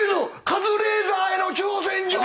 カズレーザーへの挑戦状！